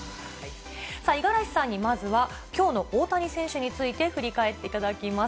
五十嵐さんにまずは、きょうの大谷選手について振り返っていただきます。